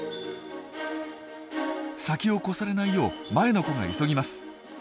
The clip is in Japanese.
先を越されないよう前の子が急ぎます。